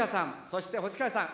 そして星風さん